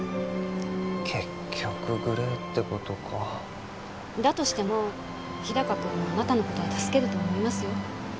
結局グレーってことかだとしても日高君はあなたのことは助けると思いますよ